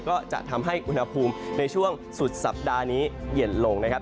ก็จะทำให้อุณหภูมิในช่วงสุดสัปดาห์นี้เย็นลงนะครับ